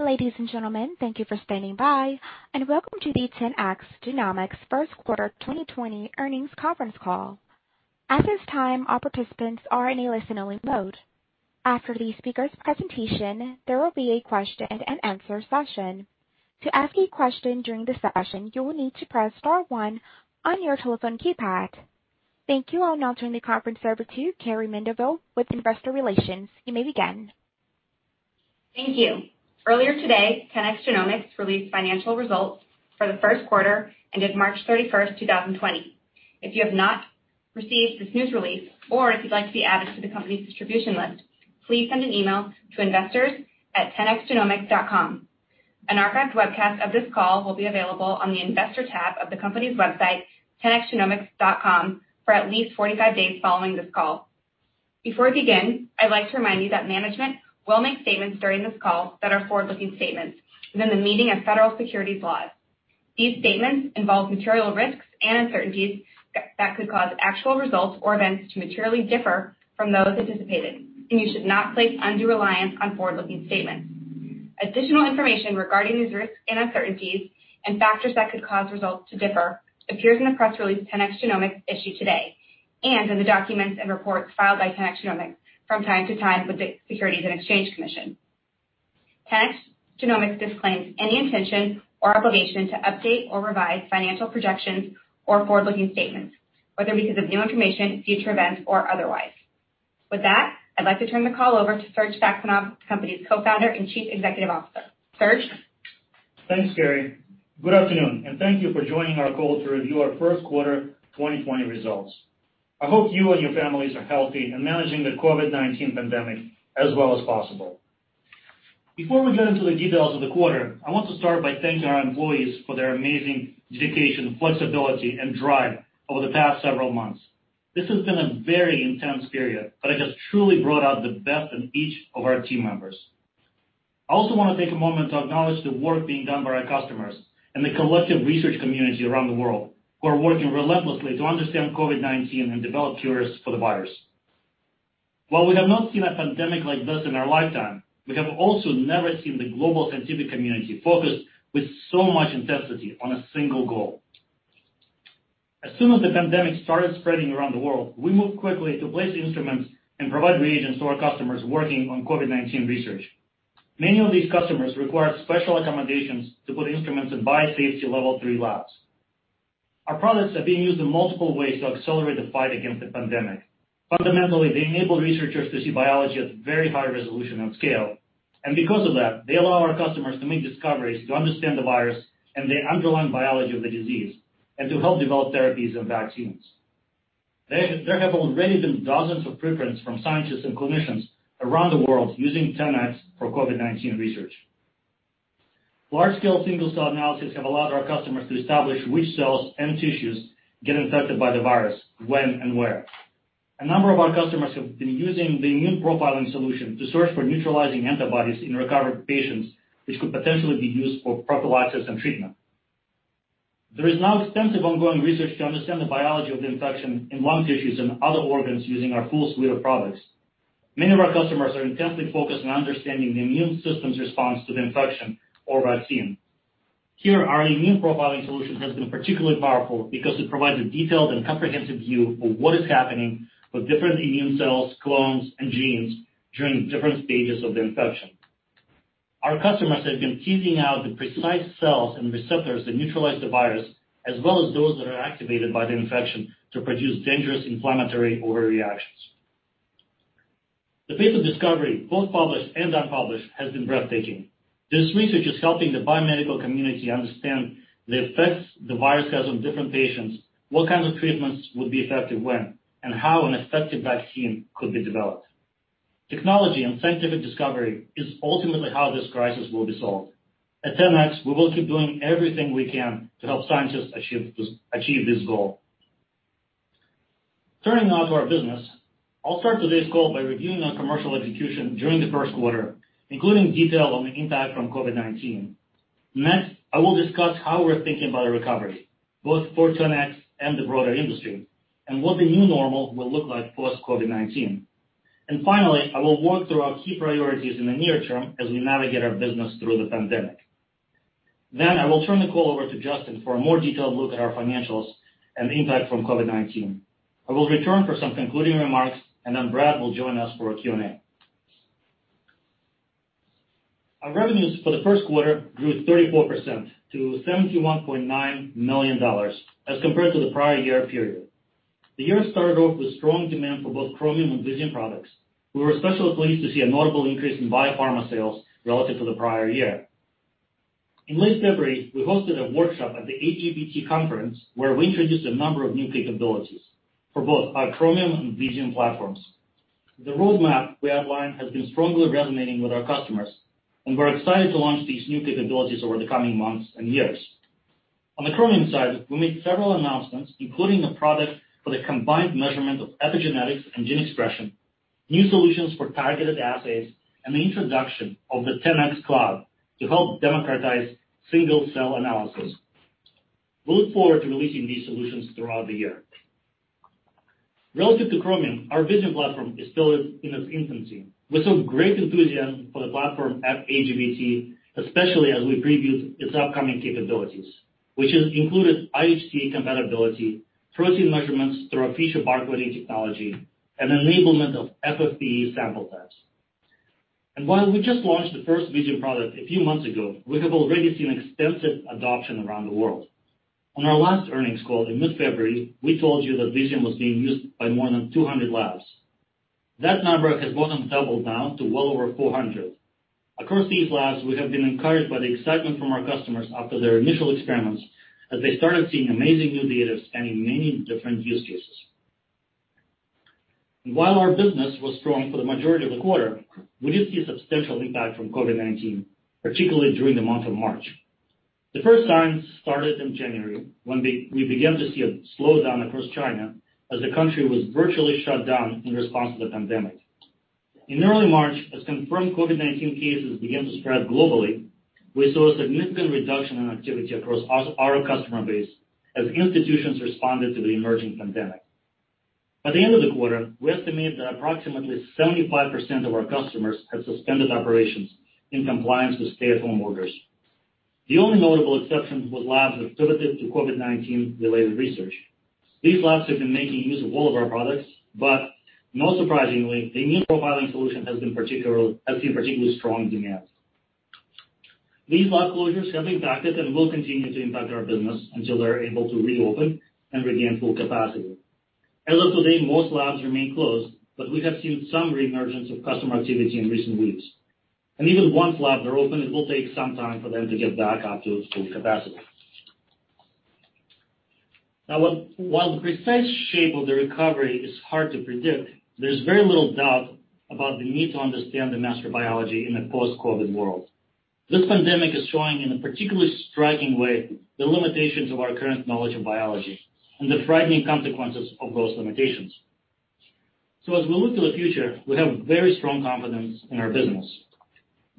Ladies and gentlemen, thank you for standing by, welcome to the 10x Genomics First Quarter 2020 Earnings Conference Call. At this time, all participants are in a listen-only mode. After the speaker's presentation, there will be a question and answer session. To ask a question during the session, you will need to press star one on your telephone keypad. Thank you. I'll now turn the conference over to Carrie Mendivil with Investor Relations. You may begin. Thank you. Earlier today, 10x Genomics released financial results for the first quarter ended March 31st, 2020. If you have not received this news release, or if you'd like to be added to the company's distribution list, please send an email to investors@10xgenomics.com. An archived webcast of this call will be available on the Investor tab of the company's website, 10xgenomics.com, for at least 45 days following this call. Before we begin, I'd like to remind you that management will make statements during this call that are forward-looking statements within the meaning of federal securities laws. These statements involve material risks and uncertainties that could cause actual results or events to materially differ from those anticipated, and you should not place undue reliance on forward-looking statements. Additional information regarding these risks and uncertainties and factors that could cause results to differ appears in the press release 10x Genomics issued today, and in the documents and reports filed by 10x Genomics from time to time with the Securities and Exchange Commission. 10x Genomics disclaims any intention or obligation to update or revise financial projections or forward-looking statements, whether because of new information, future events, or otherwise. With that, I'd like to turn the call over to Serge Saxonov, the company's Co-Founder and Chief Executive Officer. Serge. Thanks, Carrie. Good afternoon, and thank you for joining our call to review our first quarter 2020 results. I hope you and your families are healthy and managing the COVID-19 pandemic as well as possible. Before we get into the details of the quarter, I want to start by thanking our employees for their amazing dedication, flexibility, and drive over the past several months. This has been a very intense period, but it has truly brought out the best in each of our team members. I also want to take a moment to acknowledge the work being done by our customers and the collective research community around the world who are working relentlessly to understand COVID-19 and develop cures for the virus. While we have not seen a pandemic like this in our lifetime, we have also never seen the global scientific community focused with so much intensity on a single goal. As soon as the pandemic started spreading around the world, we moved quickly to place instruments and provide reagents to our customers working on COVID-19 research. Many of these customers required special accommodations to put instruments in Biosafety Level 3 labs. Our products are being used in multiple ways to accelerate the fight against the pandemic. Fundamentally, they enable researchers to see biology at very high resolution and scale, and because of that, they allow our customers to make discoveries to understand the virus and the underlying biology of the disease, and to help develop therapies and vaccines. There have already been dozens of preprints from scientists and clinicians around the world using 10x for COVID-19 research. Large-scale single-cell analysis have allowed our customers to establish which cells and tissues get infected by the virus, when and where. A number of our customers have been using the Immune Profiling Solution to search for neutralizing antibodies in recovered patients, which could potentially be used for prophylaxis and treatment. There is now extensive ongoing research to understand the biology of the infection in lung tissues and other organs using our full suite of products. Many of our customers are intensely focused on understanding the immune system's response to the infection or vaccine. Here, our Immune Profiling Solution has been particularly powerful because it provides a detailed and comprehensive view of what is happening with different immune cells, clones, and genes during different stages of the infection. Our customers have been teasing out the precise cells and receptors that neutralize the virus, as well as those that are activated by the infection to produce dangerous inflammatory overreactions. The pace of discovery, both published and unpublished, has been breathtaking. This research is helping the biomedical community understand the effects the virus has on different patients, what kinds of treatments would be effective when, and how an effective vaccine could be developed. Technology and scientific discovery is ultimately how this crisis will be solved. At 10x, we will keep doing everything we can to help scientists achieve this goal. Turning now to our business, I'll start today's call by reviewing our commercial execution during the first quarter, including detail on the impact from COVID-19. I will discuss how we're thinking about a recovery, both for 10x and the broader industry, and what the new normal will look like post-COVID-19. Finally, I will walk through our key priorities in the near term as we navigate our business through the pandemic. I will turn the call over to Justin for a more detailed look at our financials and the impact from COVID-19. I will return for some concluding remarks, then Brad will join us for a Q&A. Our revenues for the first quarter grew 34% to $71.9 million as compared to the prior year period. The year started off with strong demand for both Chromium and Visium products. We were especially pleased to see a notable increase in biopharma sales relative to the prior year. In late February, we hosted a workshop at the AGBT conference, where we introduced a number of new capabilities for both our Chromium and Visium platforms. The roadmap we outlined has been strongly resonating with our customers, and we're excited to launch these new capabilities over the coming months and years. On the Chromium side, we made several announcements, including a product for the combined measurement of epigenetics and gene expression, new solutions for targeted assays, and the introduction of the 10x Cloud to help democratize single-cell analysis. We look forward to releasing these solutions throughout the year. Relative to Chromium, our Visium platform is still in its infancy. We saw great enthusiasm for the platform at AGBT, especially as we previewed its upcoming capabilities, which has included IHC compatibility, protein measurements through our Feature Barcoding technology, and enablement of FFPE sample types. While we just launched the first Visium product a few months ago, we have already seen extensive adoption around the world. On our last earnings call in mid-February, we told you that Visium was being used by more than 200 labs. That number has more than doubled now to well over 400. Across these labs, we have been encouraged by the excitement from our customers after their initial experiments as they started seeing amazing new data spanning many different use cases. While our business was strong for the majority of the quarter, we did see a substantial impact from COVID-19, particularly during the month of March. The first signs started in January, when we began to see a slowdown across China as the country was virtually shut down in response to the pandemic. In early March, as confirmed COVID-19 cases began to spread globally, we saw a significant reduction in activity across our customer base as institutions responded to the emerging pandemic. By the end of the quarter, we estimate that approximately 75% of our customers had suspended operations in compliance with stay-at-home orders. The only notable exception was labs with activities to COVID-19 related research. These labs have been making use of all of our products, but not surprisingly, the Immune Profiling Solution has seen particularly strong demand. These lab closures have impacted and will continue to impact our business until they're able to reopen and regain full capacity. As of today, most labs remain closed, but we have seen some reemergence of customer activity in recent weeks. Even once labs are open, it will take some time for them to get back up to full capacity. While the precise shape of the recovery is hard to predict, there's very little doubt about the need to understand the master biology in a post-COVID world. This pandemic is showing in a particularly striking way the limitations of our current knowledge of biology and the frightening consequences of those limitations. As we look to the future, we have very strong confidence in our business.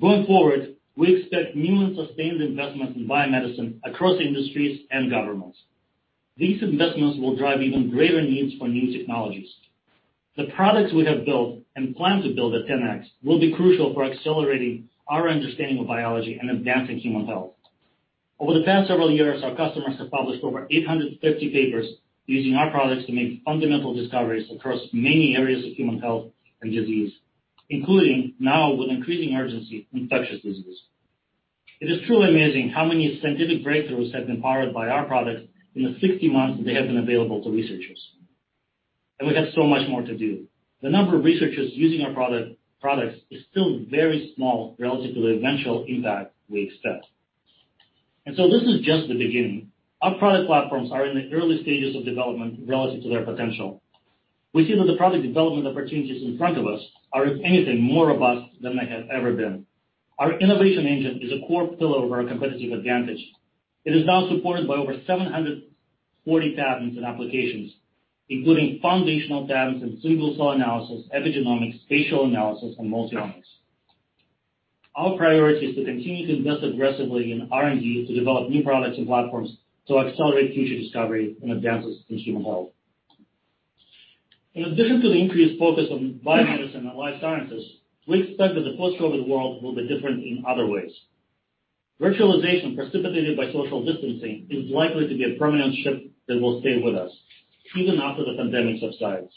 Going forward, we expect new and sustained investments in biomedicine across industries and governments. These investments will drive even greater needs for new technologies. The products we have built and plan to build at 10x will be crucial for accelerating our understanding of biology and advancing human health. Over the past several years, our customers have published over 850 papers using our products to make fundamental discoveries across many areas of human health and disease, including now with increasing urgency, infectious disease. It is truly amazing how many scientific breakthroughs have been powered by our products in the 60 months they have been available to researchers, and we have so much more to do. The number of researchers using our products is still very small relative to the eventual impact we expect. This is just the beginning. Our product platforms are in the early stages of development relative to their potential. We feel that the product development opportunities in front of us are, if anything, more robust than they have ever been. Our innovation engine is a core pillar of our competitive advantage. It is now supported by over 740 patents and applications, including foundational patents in single-cell analysis, epigenomics, spatial analysis, and multi-omics. Our priority is to continue to invest aggressively in R&D to develop new products and platforms to accelerate future discovery and advances in human health. In addition to the increased focus on biomedicine and life sciences, we expect that the post-COVID world will be different in other ways. Virtualization precipitated by social distancing is likely to be a permanent shift that will stay with us even after the pandemic subsides.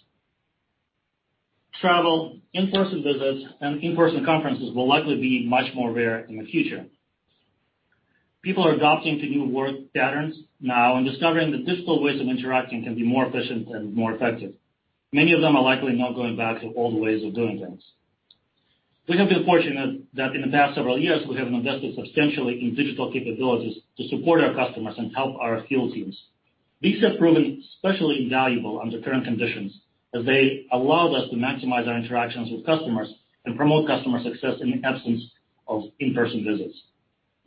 Travel, in-person visits, and in-person conferences will likely be much more rare in the future. People are adapting to new work patterns now and discovering that digital ways of interacting can be more efficient and more effective. Many of them are likely not going back to old ways of doing things. We have been fortunate that in the past several years, we have invested substantially in digital capabilities to support our customers and help our field teams. These have proven especially valuable under current conditions as they allowed us to maximize our interactions with customers and promote customer success in the absence of in-person visits.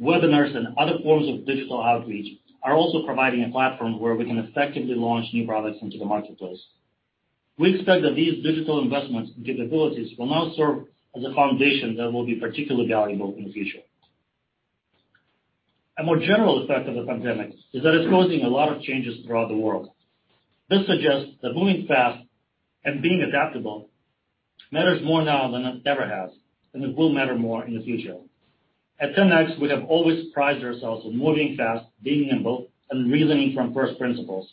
Webinars and other forms of digital outreach are also providing a platform where we can effectively launch new products into the marketplace. We expect that these digital investments and capabilities will now serve as a foundation that will be particularly valuable in the future. A more general effect of the pandemic is that it's causing a lot of changes throughout the world. This suggests that moving fast and being adaptable matters more now than it ever has, and it will matter more in the future. At 10x, we have always prided ourselves on moving fast, being nimble, and reasoning from first principles.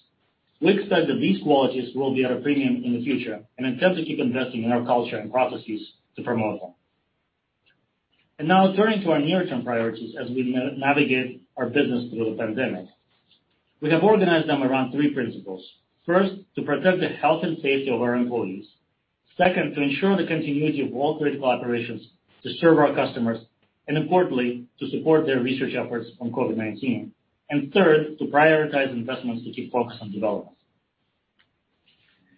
We expect that these qualities will be at a premium in the future and intend to keep investing in our culture and processes to promote them. Now turning to our near-term priorities as we navigate our business through the pandemic. We have organized them around three principles. First, to protect the health and safety of our employees. Second, to ensure the continuity of all critical operations to serve our customers, and importantly, to support their research efforts on COVID-19. Third, to prioritize investments to keep focused on development.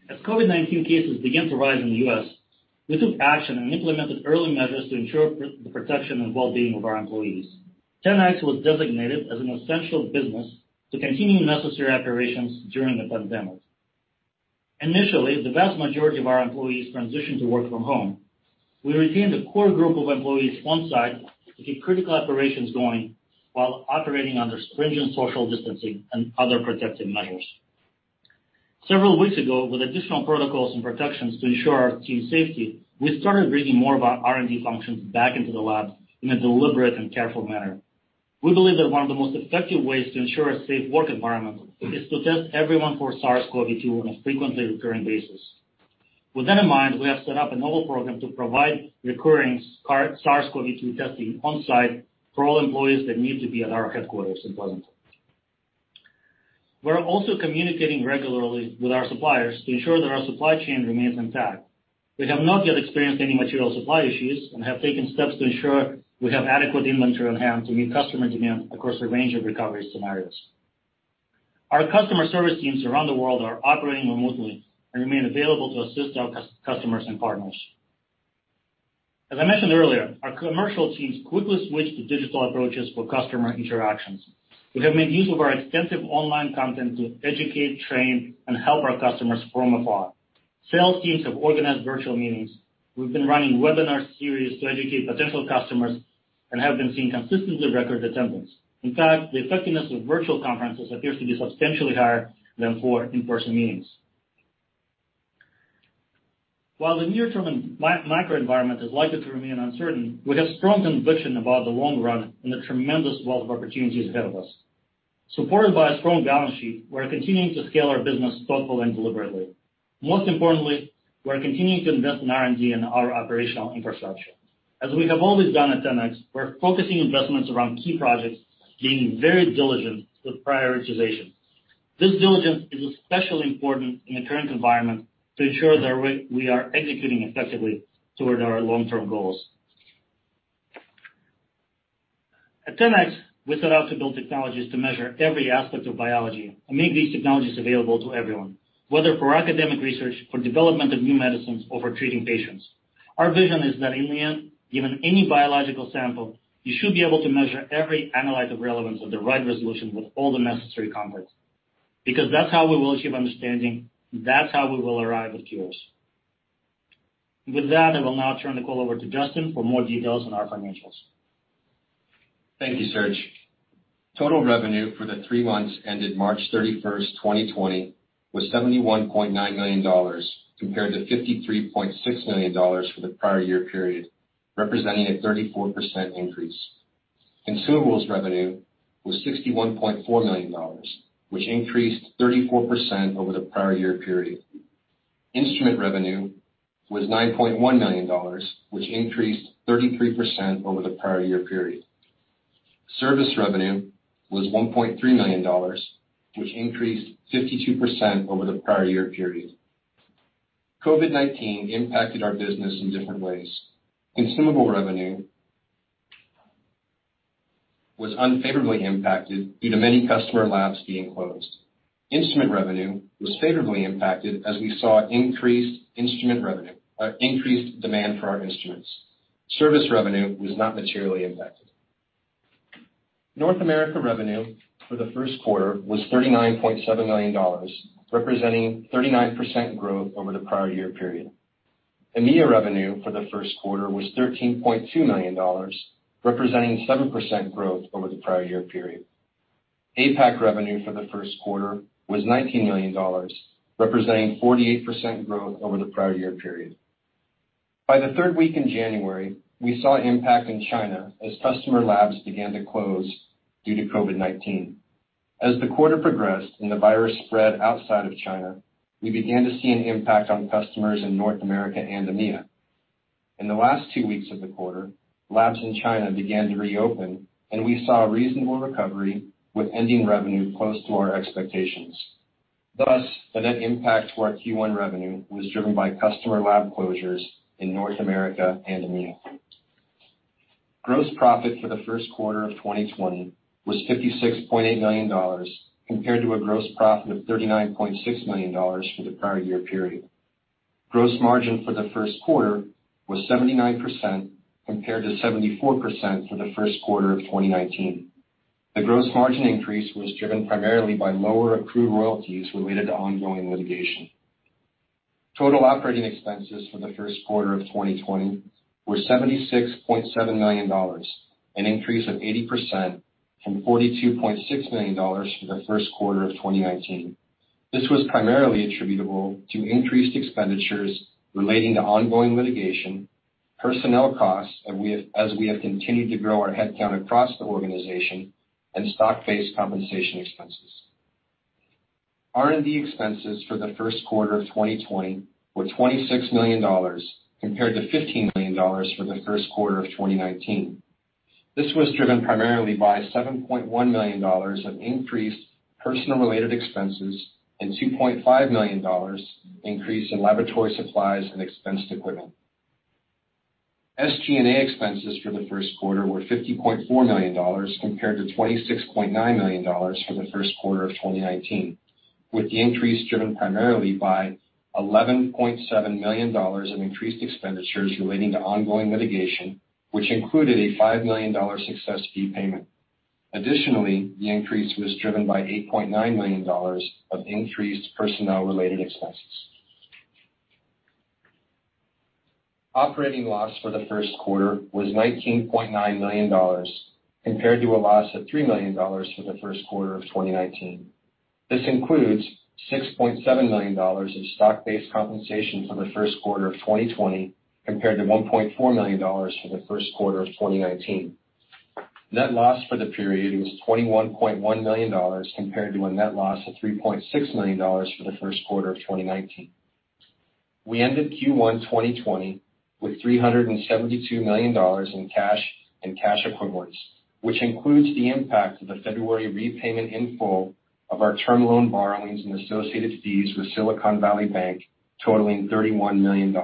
As COVID-19 cases began to rise in the U.S., we took action and implemented early measures to ensure the protection and well-being of our employees. 10x was designated as an essential business to continue necessary operations during the pandemic. Initially, the vast majority of our employees transitioned to work from home. We retained a core group of employees on-site to keep critical operations going while operating under stringent social distancing and other protective measures. Several weeks ago, with additional protocols and protections to ensure our team's safety, we started bringing more of our R&D functions back into the lab in a deliberate and careful manner. We believe that one of the most effective ways to ensure a safe work environment is to test everyone for SARS-CoV-2 on a frequently recurring basis. With that in mind, we have set up a novel program to provide recurring SARS-CoV-2 testing on-site for all employees that need to be at our headquarters in Pleasanton. We're also communicating regularly with our suppliers to ensure that our supply chain remains intact. We have not yet experienced any material supply issues and have taken steps to ensure we have adequate inventory on hand to meet customer demand across a range of recovery scenarios. Our customer service teams around the world are operating remotely and remain available to assist our customers and partners. As I mentioned earlier, our commercial teams quickly switched to digital approaches for customer interactions. We have made use of our extensive online content to educate, train, and help our customers from afar. Sales teams have organized virtual meetings. We've been running webinar series to educate potential customers and have been seeing consistently record attendance. In fact, the effectiveness of virtual conferences appears to be substantially higher than for in-person meetings. While the near-term macro environment is likely to remain uncertain, we have strong conviction about the long run and the tremendous wealth of opportunities ahead of us. Supported by a strong balance sheet, we are continuing to scale our business thoughtfully and deliberately. Most importantly, we are continuing to invest in R&D and our operational infrastructure. As we have always done at 10x, we're focusing investments around key projects, being very diligent with prioritization. This diligence is especially important in the current environment to ensure that we are executing effectively toward our long-term goals. At 10x, we set out to build technologies to measure every aspect of biology and make these technologies available to everyone, whether for academic research, for development of new medicines, or for treating patients. Our vision is that in the end, given any biological sample, you should be able to measure every analyte of relevance with the right resolution with all the necessary complex. That's how we will achieve understanding. That's how we will arrive at cures. With that, I will now turn the call over to Justin for more details on our financials. Thank you, Serge. Total revenue for the three months ended March 31st, 2020, was $71.9 million, compared to $53.6 million for the prior year period, representing a 34% increase. Consumables revenue was $61.4 million, which increased 34% over the prior year period. Instrument revenue was $9.1 million, which increased 33% over the prior year period. Service revenue was $1.3 million, which increased 52% over the prior year period. COVID-19 impacted our business in different ways. Consumable revenue was unfavorably impacted due to many customer labs being closed. Instrument revenue was favorably impacted as we saw increased demand for our instruments. Service revenue was not materially impacted. North America revenue for the first quarter was $39.7 million, representing 39% growth over the prior year period. EMEA revenue for the first quarter was $13.2 million, representing 7% growth over the prior year period. APAC revenue for the first quarter was $19 million, representing 48% growth over the prior year period. By the third week in January, we saw impact in China as customer labs began to close due to COVID-19. As the quarter progressed and the virus spread outside of China, we began to see an impact on customers in North America and EMEA. In the last two weeks of the quarter, labs in China began to reopen, and we saw a reasonable recovery, with ending revenue close to our expectations. Thus, the net impact to our Q1 revenue was driven by customer lab closures in North America and EMEA. Gross profit for the first quarter of 2020 was $56.8 million, compared to a gross profit of $39.6 million for the prior year period. Gross margin for the first quarter was 79%, compared to 74% for the first quarter of 2019. The gross margin increase was driven primarily by lower accrued royalties related to ongoing litigation. Total operating expenses for the first quarter of 2020 were $76.7 million, an increase of 80% from $42.6 million for the first quarter of 2019. This was primarily attributable to increased expenditures relating to ongoing litigation, personnel costs as we have continued to grow our headcount across the organization, and stock-based compensation expenses. R&D expenses for the first quarter of 2020 were $26 million, compared to $15 million for the first quarter of 2019. This was driven primarily by $7.1 million of increased personnel-related expenses and $2.5 million increase in laboratory supplies and expensed equipment. SG&A expenses for the first quarter were $50.4 million, compared to $26.9 million for the first quarter of 2019, with the increase driven primarily by $11.7 million in increased expenditures relating to ongoing litigation, which included a $5 million success fee payment. Additionally, the increase was driven by $8.9 million of increased personnel-related expenses. Operating loss for the first quarter was $19.9 million, compared to a loss of $3 million for the first quarter of 2019. This includes $6.7 million in stock-based compensation for the first quarter of 2020, compared to $1.4 million for the first quarter of 2019. Net loss for the period was $21.1 million, compared to a net loss of $3.6 million for the first quarter of 2019. We ended Q1 2020 with $372 million in cash and cash equivalents, which includes the impact of the February repayment in full of our term loan borrowings and associated fees with Silicon Valley Bank, totaling $31 million.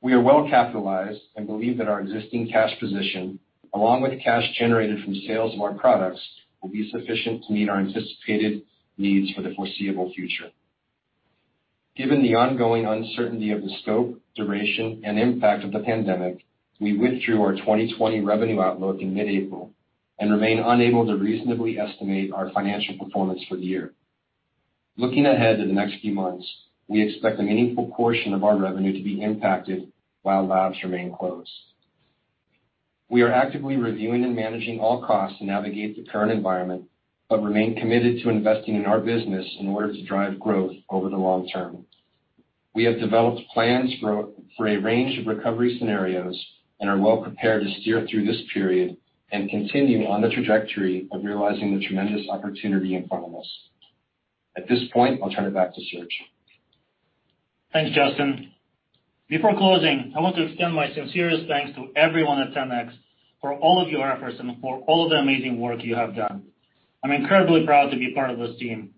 We are well capitalized and believe that our existing cash position, along with cash generated from sales of our products, will be sufficient to meet our anticipated needs for the foreseeable future. Given the ongoing uncertainty of the scope, duration, and impact of the pandemic, we withdrew our 2020 revenue outlook in mid-April and remain unable to reasonably estimate our financial performance for the year. Looking ahead to the next few months, we expect a meaningful portion of our revenue to be impacted while labs remain closed. We are actively reviewing and managing all costs to navigate the current environment, but remain committed to investing in our business in order to drive growth over the long term. We have developed plans for a range of recovery scenarios and are well prepared to steer through this period and continue on the trajectory of realizing the tremendous opportunity in front of us. At this point, I'll turn it back to Serge. Thanks, Justin. Before closing, I want to extend my sincerest thanks to everyone at 10x for all of your efforts and for all the amazing work you have done. I'm incredibly proud to be part of this team.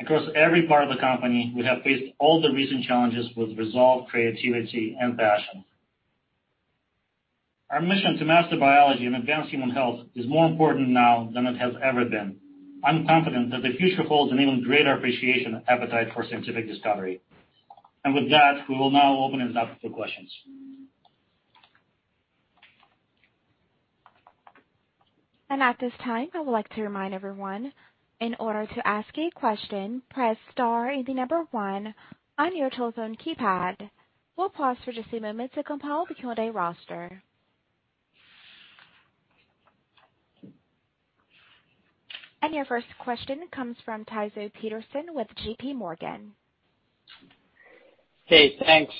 Across every part of the company, we have faced all the recent challenges with resolve, creativity, and passion. Our mission to master biology and advance human health is more important now than it has ever been. I'm confident that the future holds an even greater appreciation and appetite for scientific discovery. With that, we will now open it up for questions. At this time, I would like to remind everyone, in order to ask a question, press star and the number one on your telephone keypad. We'll pause for just a moment to compile the queue and roster. Your first question comes from Tycho Peterson with JPMorgan. Okay, thanks.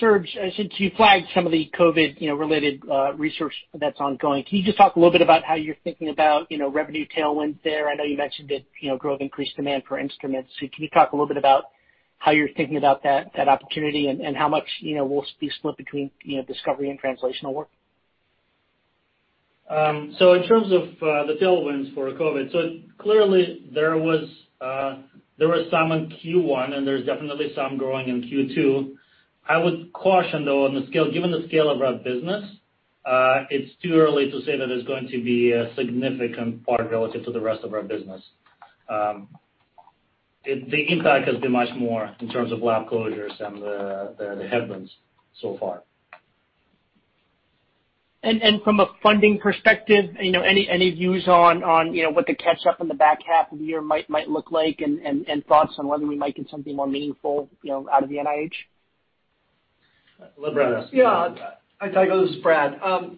Serge, since you flagged some of the COVID-19 related research that's ongoing, can you just talk a little bit about how you're thinking about revenue tailwinds there? I know you mentioned the growth, increased demand for instruments. Can you talk a little bit about how you're thinking about that opportunity and how much will be split between discovery and translational work? In terms of the tailwinds for COVID, clearly there was some in Q1 and there's definitely some growing in Q2. I would caution, though, given the scale of our business, it's too early to say that it's going to be a significant part relative to the rest of our business. The impact has been much more in terms of lab closures and the headwinds so far. From a funding perspective, any views on what the catch-up in the back half of the year might look like and thoughts on whether we might get something more meaningful out of the NIH? I'll let Brad answer that. Yeah. Hi, Tycho, this is Brad.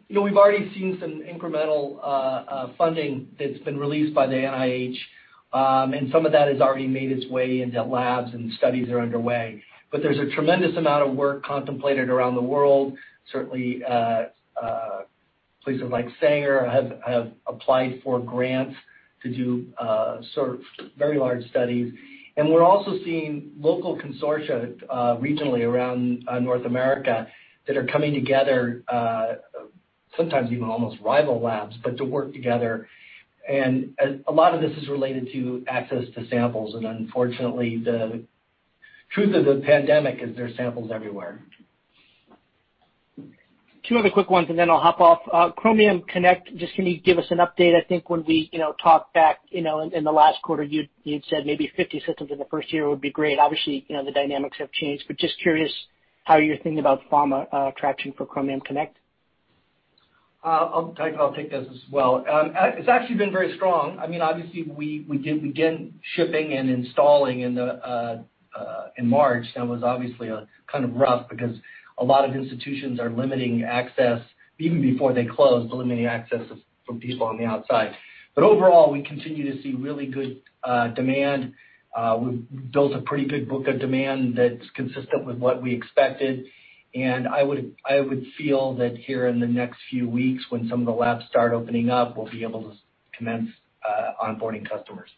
We've already seen some incremental funding that's been released by the NIH, and some of that has already made its way into labs and studies are underway. There's a tremendous amount of work contemplated around the world. Certainly, places like Sanger have applied for grants to do sort of very large studies. We're also seeing local consortia regionally around North America that are coming together, sometimes even almost rival labs, but to work together and a lot of this is related to access to samples and unfortunately, the truth of the pandemic is there's samples everywhere. Two other quick ones and then I'll hop off. Chromium Connect, just can you give us an update? I think when we talked back in the last quarter, you'd said maybe 50 systems in the first year would be great. Obviously, the dynamics have changed, but just curious how you're thinking about pharma traction for Chromium Connect. Tycho, I'll take this as well. It's actually been very strong. I mean, obviously we did begin shipping and installing in March, and it was obviously kind of rough because a lot of institutions are limiting access, even before they closed, limiting access from people on the outside. Overall, we continue to see really good demand. We've built a pretty good book of demand that's consistent with what we expected, and I would feel that here in the next few weeks when some of the labs start opening up, we'll be able to commence onboarding customers.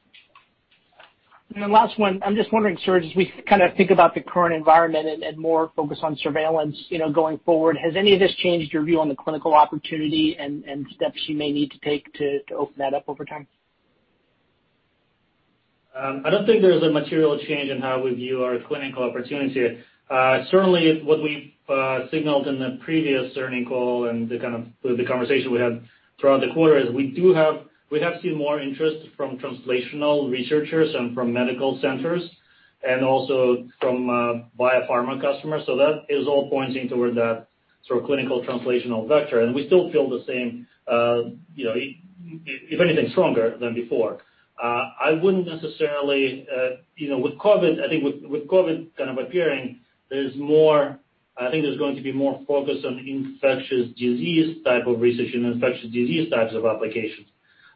Last one. I'm just wondering, Serge, as we kind of think about the current environment and more focus on surveillance going forward, has any of this changed your view on the clinical opportunity and steps you may need to take to open that up over time? I don't think there's a material change in how we view our clinical opportunity. Certainly, what we've signaled in the previous earnings call and the kind of the conversation we had throughout the quarter is we have seen more interest from translational researchers and from medical centers and also from biopharma customers. That is all pointing toward that clinical translational vector. We still feel the same, if anything, stronger than before. I think with COVID kind of appearing, I think there's going to be more focus on infectious disease type of research and infectious disease types of applications.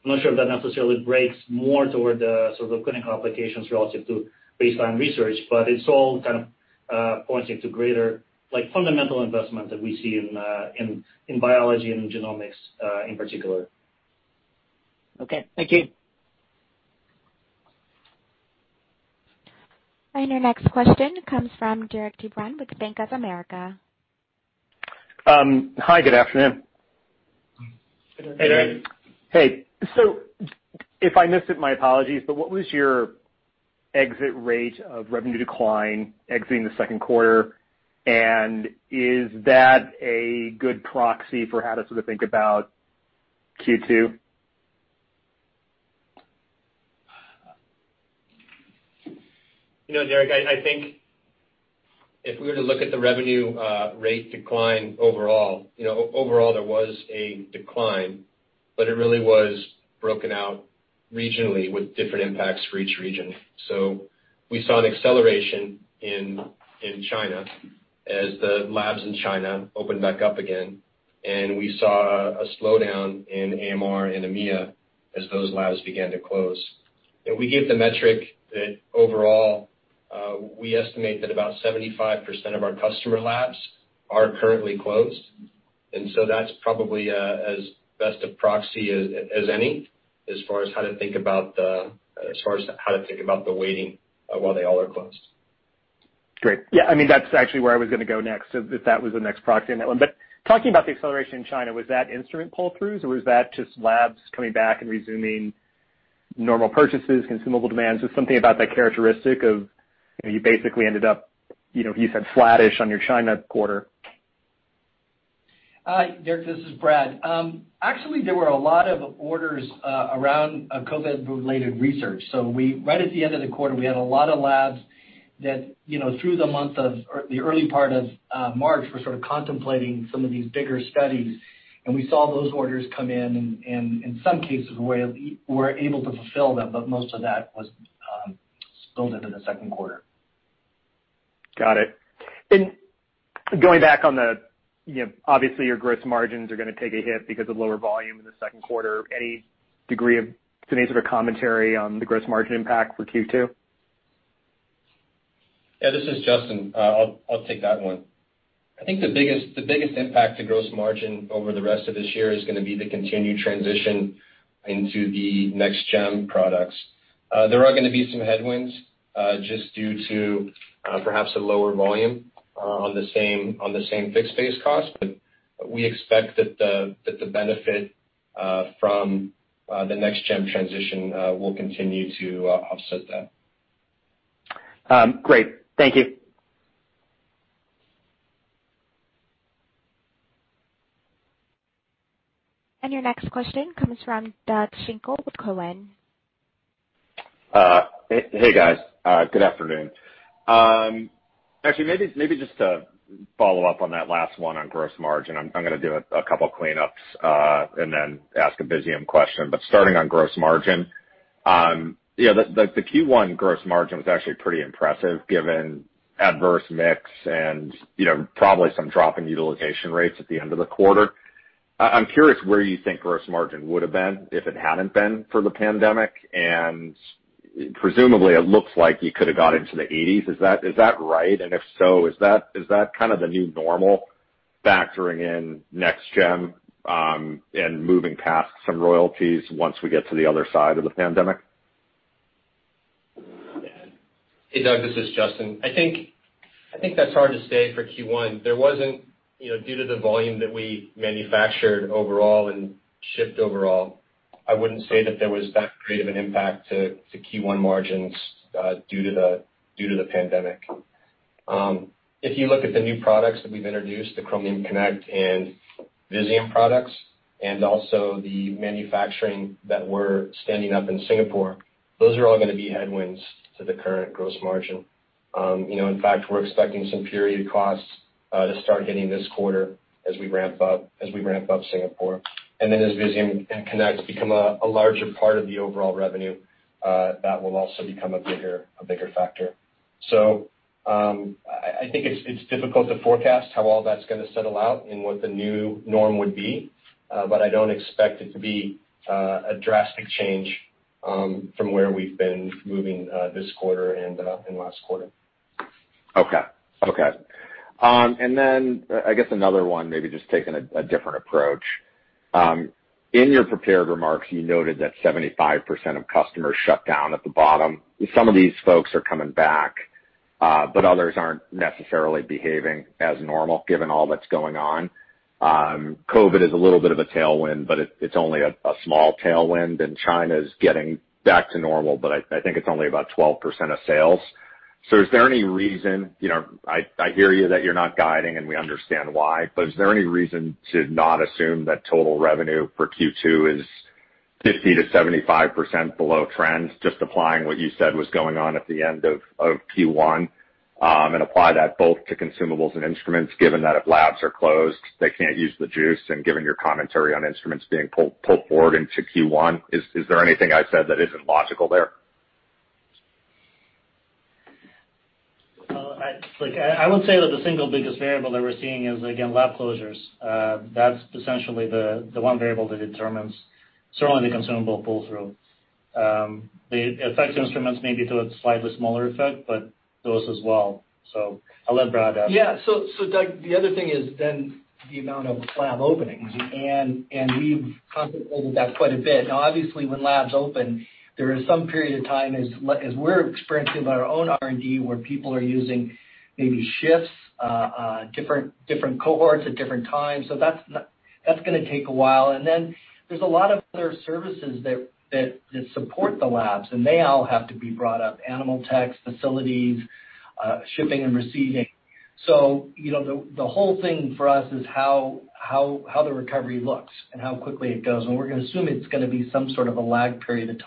I'm not sure if that necessarily breaks more toward the sort of clinical applications relative to baseline research, it's all kind of pointing to greater fundamental investment that we see in biology and genomics, in particular. Okay. Thank you. Your next question comes from Derik de Bruin with Bank of America. Hi, good afternoon. Hey, Derik. Hey. If I missed it, my apologies, what was your exit rate of revenue decline exiting the second quarter? Is that a good proxy for how to sort of think about Q2? You know, Derik, I think if we were to look at the revenue rate decline overall there was a decline, but it really was broken out regionally with different impacts for each region. We saw an acceleration in China as the labs in China opened back up again, and we saw a slowdown in AMER and EMEA as those labs began to close. We gave the metric that overall, we estimate that about 75% of our customer labs are currently closed, and so that's probably as best a proxy as any, as far as how to think about the weighting while they all are closed. Great. Yeah, that's actually where I was going to go next, if that was the next proxy on that one. Talking about the acceleration in China, was that instrument pull-throughs or was that just labs coming back and resuming normal purchases, consumable demands? Just something about that characteristic of, you basically ended up, you said flattish on your China quarter. Hi, Derik, this is Brad. Actually, there were a lot of orders around COVID-related research. Right at the end of the quarter, we had a lot of labs that, through the early part of March, were sort of contemplating some of these bigger studies, and we saw those orders come in and in some cases, we were able to fulfill them, but most of that was billed into the second quarter. Got it. Going back, obviously, your gross margins are going to take a hit because of lower volume in the second quarter. Any sort of commentary on the gross margin impact for Q2? Yeah, this is Justin. I'll take that one. I think the biggest impact to gross margin over the rest of this year is going to be the continued transition into the Next GEM products. There are going to be some headwinds, just due to perhaps a lower volume on the same fixed base cost, but we expect that the benefit from the Next GEM transition will continue to offset that. Great. Thank you. Your next question comes from Doug Schenkel with Cowen. Hey, guys. Good afternoon. Maybe just to follow up on that last one on gross margin. I'm going to do a couple cleanups then ask a Visium question. Starting on gross margin, the Q1 gross margin was actually pretty impressive given adverse mix and probably some drop in utilization rates at the end of the quarter. I'm curious where you think gross margin would've been if it hadn't been for the pandemic, presumably, it looks like you could have got into the 80s. Is that right? If so, is that kind of the new normal factoring in Next GEM, and moving past some royalties once we get to the other side of the pandemic? Hey, Doug, this is Justin. I think that's hard to say for Q1. Due to the volume that we manufactured overall and shipped overall, I wouldn't say that there was that creative an impact to Q1 margins due to the pandemic. If you look at the new products that we've introduced, the Chromium Connect and Visium products, and also the manufacturing that we're standing up in Singapore, those are all going to be headwinds to the current gross margin. In fact, we're expecting some period costs to start hitting this quarter as we ramp up Singapore. Then as Visium and Connect become a larger part of the overall revenue, that will also become a bigger factor. I think it's difficult to forecast how all that's going to settle out and what the new norm would be. I don't expect it to be a drastic change from where we've been moving this quarter and last quarter. Okay. I guess another one, maybe just taking a different approach. In your prepared remarks, you noted that 75% of customers shut down at the bottom. Some of these folks are coming back, but others aren't necessarily behaving as normal, given all that's going on. COVID is a little bit of a tailwind, but it's only a small tailwind, and China's getting back to normal, but I think it's only about 12% of sales. I hear you that you're not guiding, and we understand why, but is there any reason to not assume that total revenue for Q2 is 50%-75% below trends, just applying what you said was going on at the end of Q1, and apply that both to consumables and instruments, given that if labs are closed, they can't use the juice, and given your commentary on instruments being pulled forward into Q1. Is there anything I said that isn't logical there? I would say that the single biggest variable that we're seeing is, again, lab closures. That's essentially the one variable that determines certainly the consumable pull-through. It affects instruments maybe to a slightly smaller effect, but those as well. I'll let Brad add. Yeah. Doug, the other thing is the amount of lab openings. We've contemplated that quite a bit. Now, obviously, when labs open, there is some period of time, as we're experiencing with our own R&D, where people are using maybe shifts, different cohorts at different times. That's going to take a while. There's a lot of other services that support the labs, and they all have to be brought up, animal techs, facilities, shipping and receiving. The whole thing for us is how the recovery looks and how quickly it goes, and we're going to assume it's going to be some sort of a lag period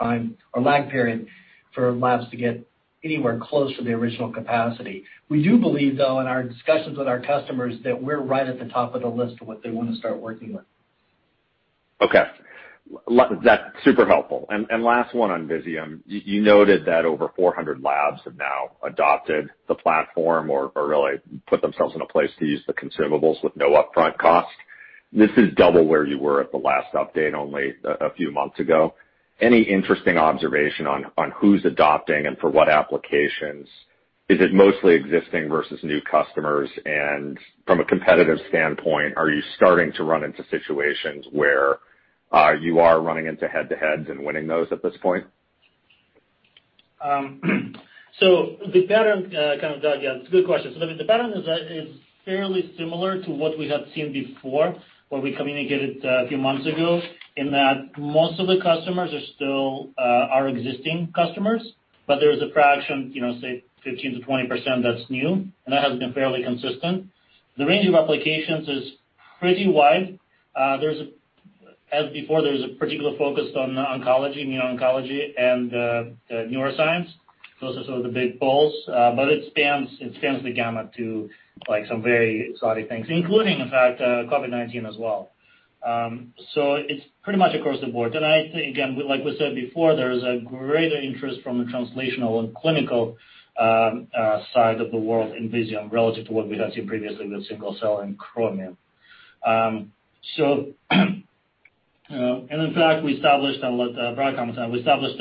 for labs to get anywhere close to the original capacity. We do believe, though, in our discussions with our customers, that we're right at the top of the list of what they want to start working with. Okay. That's super helpful. Last one on Visium. You noted that over 400 labs have now adopted the platform or really put themselves in a place to use the consumables with no upfront cost. This is double where you were at the last update only a few months ago. Any interesting observation on who's adopting and for what applications? Is it mostly existing versus new customers? From a competitive standpoint, are you starting to run into situations where you are running into head-to-heads and winning those at this point? The pattern, Doug, yeah, it's a good question. The pattern is fairly similar to what we have seen before, where we communicated a few months ago, in that most of the customers are still our existing customers, but there is a fraction, say 15%-20%, that's new, and that has been fairly consistent. The range of applications is pretty wide. As before, there's a particular focus on oncology, immuno-oncology, and neuroscience. Those are sort of the big pulls, but it spans the gamut to some very exotic things, including, in fact, COVID-19 as well. It's pretty much across the board. I think, again, like we said before, there is a greater interest from the translational and clinical side of the world in Visium relative to what we have seen previously with Single Cell and Chromium. In fact, we established, and I'll let Brad comment on it, we established,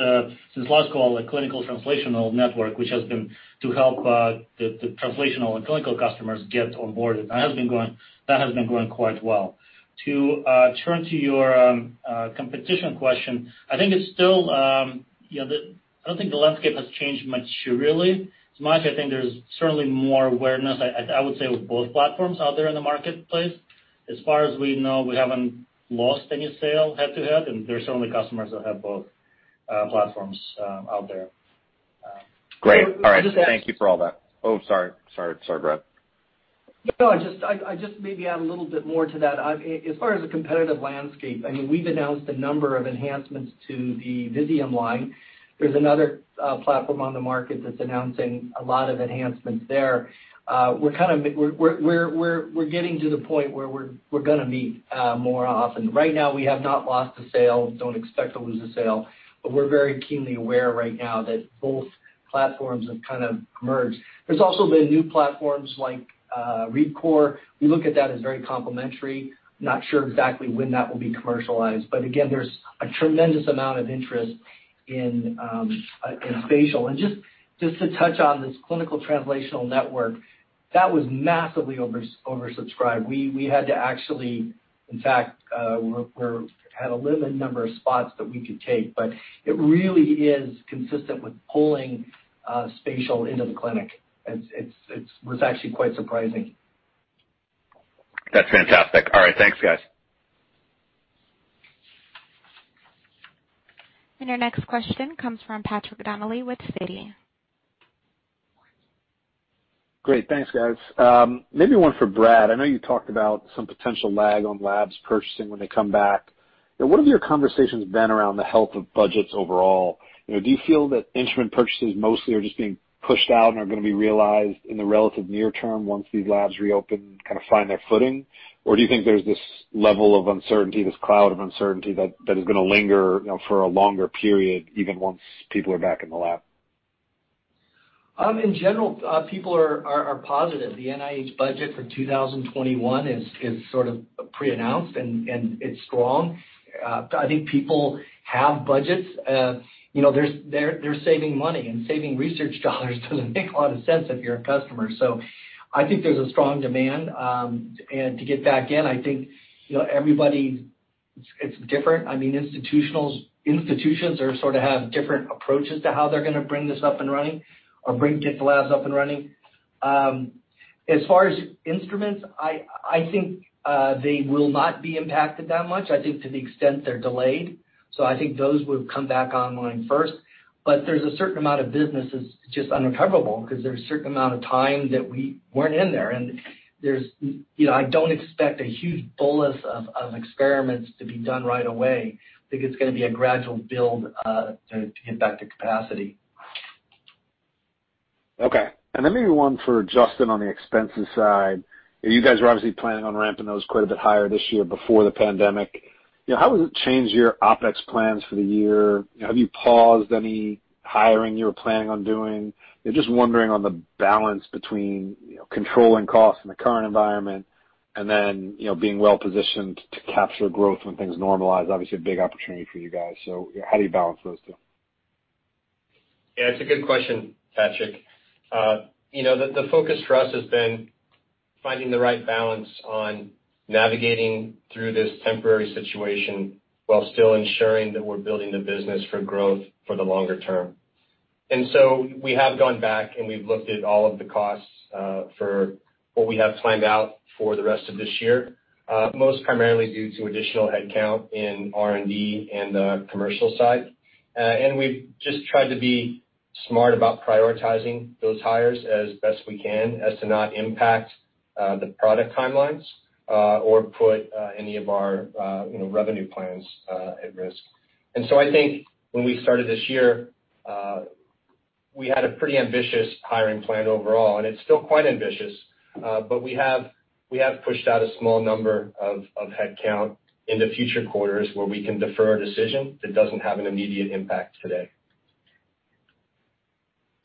since last call, a clinical translational network, which has been to help the translational and clinical customers get on board, and that has been going quite well. To turn to your competition question, I don't think the landscape has changed much really. As much I think there's certainly more awareness, I would say, with both platforms out there in the marketplace. As far as we know, we haven't lost any sale head-to-head, and there are certainly customers that have both platforms out there. Great. All right. Thank you for all that. Oh, sorry, Brad. No, I just maybe add a little bit more to that. As far as the competitive landscape, we've announced a number of enhancements to the Visium line. There's another platform on the market that's announcing a lot of enhancements there. We're getting to the point where we're going to meet more often. Right now, we have not lost a sale, don't expect to lose a sale, but we're very keenly aware right now that both platforms have kind of merged. There's also been new platforms like ReadCoor. We look at that as very complementary. Not sure exactly when that will be commercialized, but again, there's a tremendous amount of interest in spatial. Just to touch on this clinical translational network, that was massively oversubscribed. We had to actually, in fact, we had a limited number of spots that we could take, but it really is consistent with pulling spatial into the clinic. It was actually quite surprising. That's fantastic. All right. Thanks, guys. Your next question comes from Patrick Donnelly with Citi. Great. Thanks, guys. Maybe one for Brad. I know you talked about some potential lag on labs purchasing when they come back. What have your conversations been around the health of budgets overall? Do you feel that instrument purchases mostly are just being pushed out and are going to be realized in the relative near term once these labs reopen, kind of find their footing? Do you think there's this level of uncertainty, this cloud of uncertainty that is going to linger for a longer period, even once people are back in the lab? In general, people are positive. The NIH budget for 2021 is sort of pre-announced, and it's strong. I think people have budgets. They're saving money, and saving research dollars doesn't make a lot of sense if you're a customer. I think there's a strong demand. To get back in, I think everybody, it's different. Institutions sort of have different approaches to how they're going to bring this up and running or get the labs up and running. As far as instruments, I think they will not be impacted that much, I think to the extent they're delayed. I think those would come back online first. There's a certain amount of business that's just unrecoverable because there's a certain amount of time that we weren't in there, and I don't expect a huge bolus of experiments to be done right away. I think it's going to be a gradual build to get back to capacity. Okay. Maybe one for Justin on the expenses side. You guys are obviously planning on ramping those quite a bit higher this year before the pandemic. How has it changed your OpEx plans for the year? Have you paused any hiring you were planning on doing? Just wondering on the balance between controlling costs in the current environment and then being well-positioned to capture growth when things normalize. Obviously, a big opportunity for you guys. How do you balance those two? Yeah, it's a good question, Patrick. The focus for us has been finding the right balance on navigating through this temporary situation while still ensuring that we're building the business for growth for the longer term. We have gone back, and we've looked at all of the costs for what we have planned out for the rest of this year, most primarily due to additional headcount in R&D and the commercial side. We've just tried to be smart about prioritizing those hires as best we can as to not impact the product timelines or put any of our revenue plans at risk. I think when we started this year, we had a pretty ambitious hiring plan overall, and it's still quite ambitious. We have pushed out a small number of headcount into future quarters where we can defer a decision that doesn't have an immediate impact today.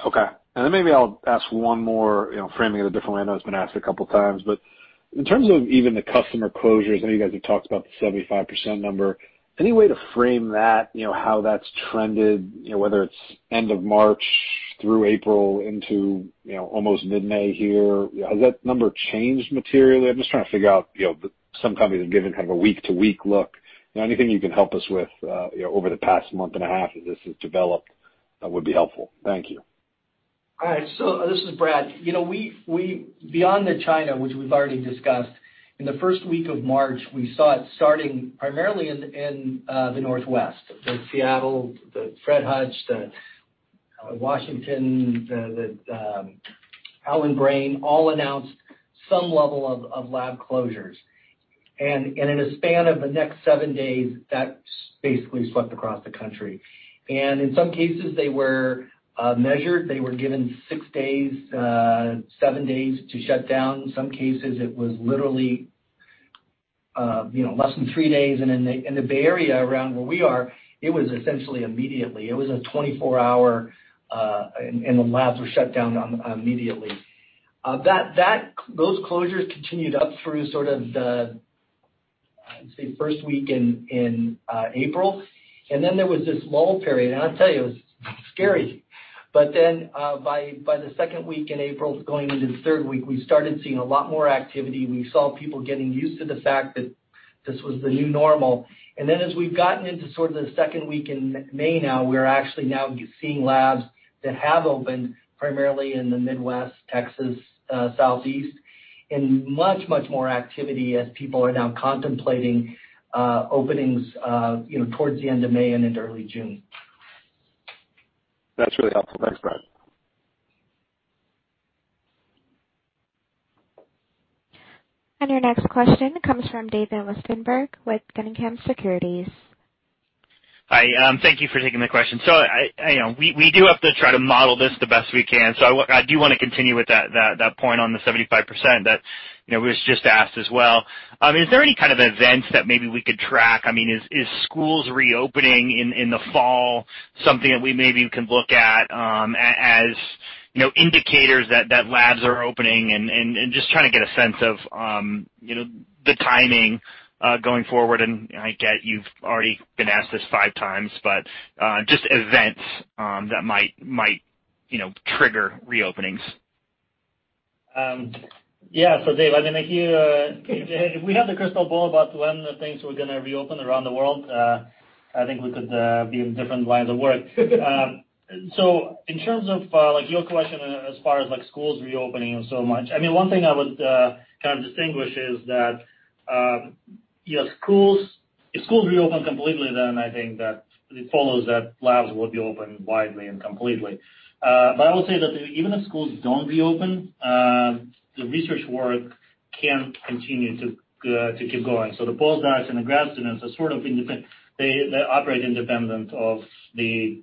Okay. Maybe I'll ask one more, framing it a different way. I know it's been asked a couple of times. In terms of even the customer closures, I know you guys have talked about the 75% number. Any way to frame that, how that's trended, whether it's end of March through April into almost mid-May here? Has that number changed materially? I'm just trying to figure out. Some companies are giving kind of a week-to-week look. Anything you can help us with over the past month and a half as this has developed would be helpful. Thank you. All right. This is Brad. Beyond China, which we've already discussed, in the first week of March, we saw it starting primarily in the Northwest, Seattle, Fred Hutch, Washington, the Allen Brain, all announced some level of lab closures. In a span of the next seven days, that basically swept across the country. In some cases, they were measured. They were given six days, seven days to shut down. In some cases, it was literally less than three days. In the Bay Area around where we are, it was essentially immediately. It was a 24-hour, the labs were shut down immediately. Those closures continued up through sort of the, I'd say, first week in April. Then there was this lull period, and I'll tell you, it was scary. By the second week in April, going into the third week, we started seeing a lot more activity. We saw people getting used to the fact that this was the new normal. As we've gotten into sort of the second week in May now, we're actually now seeing labs that have opened primarily in the Midwest, Texas, Southeast, and much, much more activity as people are now contemplating openings towards the end of May and into early June. That's really helpful. Thanks, Brad. Your next question comes from Dave Westenberg with Guggenheim Securities. Hi. Thank you for taking the question. We do have to try to model this the best we can. I do want to continue with that point on the 75% that was just asked as well. Is there any kind of events that maybe we could track? Is schools reopening in the fall something that we maybe can look at as indicators that labs are opening? Just trying to get a sense of the timing going forward, and I get you've already been asked this five times, but just events that might trigger reopenings. Yeah. Dave, if we have the crystal ball about when the things were going to reopen around the world, I think we could be in different lines of work. In terms of your question as far as schools reopening and so much, one thing I would kind of distinguish is that if schools reopen completely, then I think that it follows that labs will be open widely and completely. I will say that even if schools don't reopen, the research work can continue to keep going. The postdocs and the grad students are sort of independent. They operate independent of the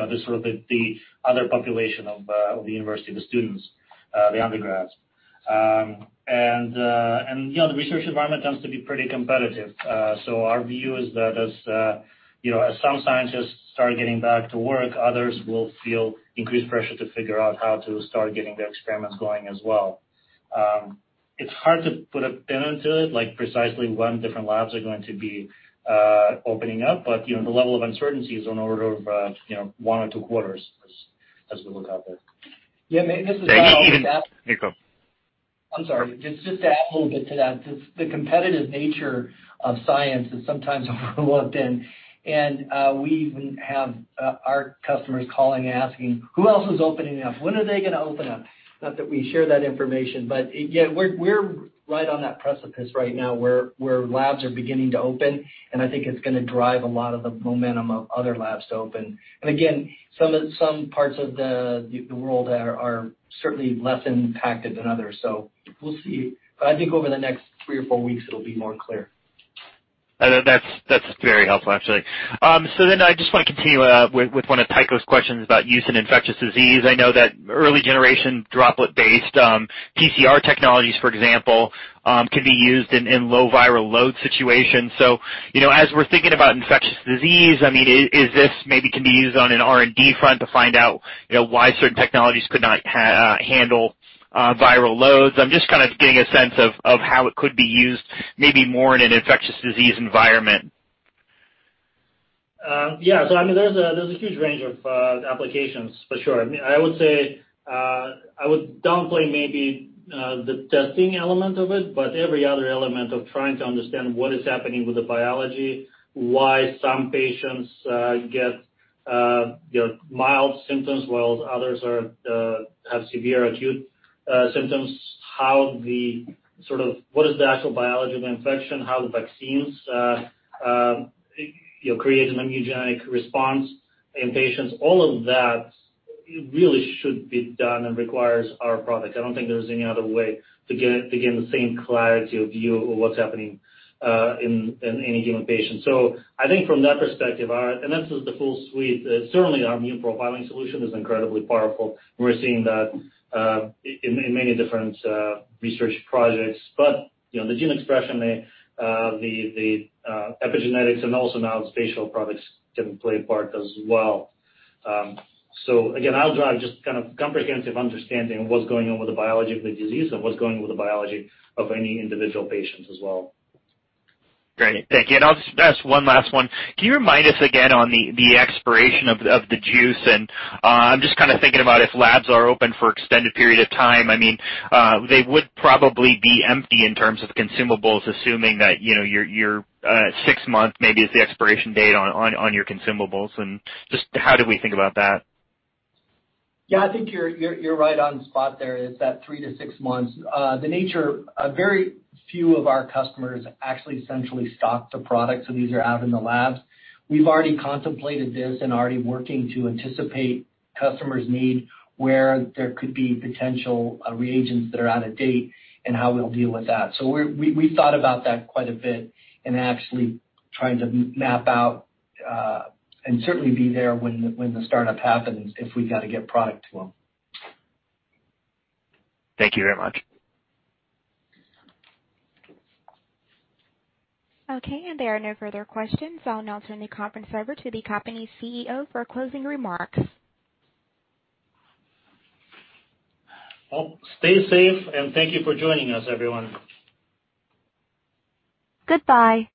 other population of the university, the students, the undergrads. The research environment tends to be pretty competitive. Our view is that as some scientists start getting back to work, others will feel increased pressure to figure out how to start getting their experiments going as well. It's hard to put a pin into it, like precisely when different labs are going to be opening up, but the level of uncertainty is on the order of one or two quarters as we look out there. Thank you. Yeah, maybe this is Brad. Yeah, go. I'm sorry. Just to add a little bit to that, the competitive nature of science is sometimes overlooked, and we even have our customers calling, asking, "Who else is opening up? When are they going to open up?" Not that we share that information, but yeah, we're right on that precipice right now where labs are beginning to open, and I think it's going to drive a lot of the momentum of other labs to open. Again, some parts of the world are certainly less impacted than others. We'll see. I think over the next three or four weeks, it'll be more clear. That's very helpful, actually. I just want to continue with one of Tycho's questions about use in infectious disease. I know that early-generation droplet-based PCR technologies, for example, can be used in low viral load situations. As we're thinking about infectious disease, is this maybe can be used on an R&D front to find out why certain technologies could not handle viral loads? I'm just kind of getting a sense of how it could be used, maybe more in an infectious disease environment. There's a huge range of applications for sure. I would downplay maybe the testing element of it, but every other element of trying to understand what is happening with the biology, why some patients get mild symptoms while others have severe acute symptoms, what is the actual biology of the infection, how the vaccines create an immunogenic response in patients, all of that really should be done and requires our product. I don't think there's any other way to get the same clarity of view of what's happening in any given patient. I think from that perspective, and that's just the full suite. Certainly, our Immune Profiling Solution is incredibly powerful, and we're seeing that in many different research projects. The gene expression, the epigenomics, and also now the spatial products can play a part as well. Again, I'll drive just kind of comprehensive understanding of what's going on with the biology of the disease and what's going on with the biology of any individual patients as well. Great. Thank you. I'll just ask one last one. Can you remind us again on the expiration of the use? I'm just kind of thinking about if labs are open for extended period of time, they would probably be empty in terms of consumables, assuming that your six months maybe is the expiration date on your consumables, and just how do we think about that? Yeah, I think you're right on spot there is that three to six months. Very few of our customers actually essentially stock the product, so these are out in the labs. We've already contemplated this and are already working to anticipate customers' need, where there could be potential reagents that are out of date and how we'll deal with that. We've thought about that quite a bit in actually trying to map out and certainly be there when the startup happens, if we've got to get product to them. Thank you very much. Okay, there are no further questions. I'll now turn the conference over to the company CEO for closing remarks. Stay safe, and thank you for joining us, everyone. Goodbye.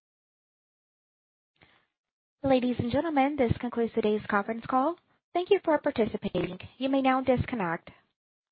Ladies and gentlemen, this concludes today's conference call. Thank you for participating. You may now disconnect.